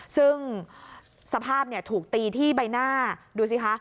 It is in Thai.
ซึ่งสภาพถูกตีที่ใบหน้าดูสิคะ